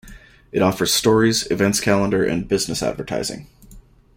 It offers stories, events calendar and business advertising.